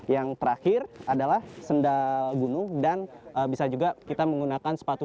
yang terakhir adalah sendal gunung dan bisa juga kita menggunakan sepatu